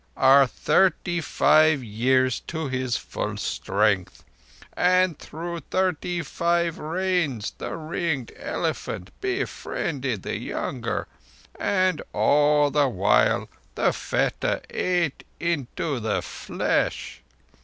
_—are thirty five years to his full strength, and through thirty five Rains the ringed elephant befriended the younger, and all the while the fetter ate into the flesh.